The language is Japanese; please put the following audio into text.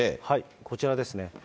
こちらですね。